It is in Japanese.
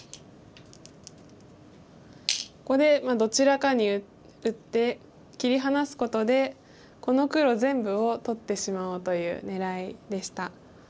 ここでどちらかに打って切り離すことでこの黒全部を取ってしまおうという狙いでした。